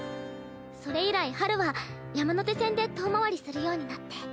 それ以来春は山手線で遠回りするようになって。